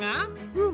うん。